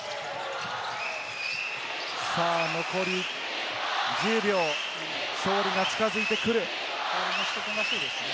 残り１０秒、勝利が近づいてくる。